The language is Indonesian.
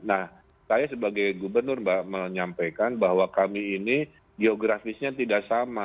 nah saya sebagai gubernur mbak menyampaikan bahwa kami ini geografisnya tidak sama